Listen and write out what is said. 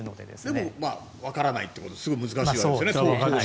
でもわからないということすごく難しいわけですよね。